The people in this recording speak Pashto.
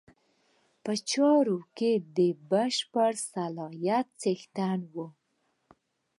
په چارو کې د بشپړ صلاحیت څښتنان وي.